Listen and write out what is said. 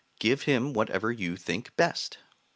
Give him whatever you think best.'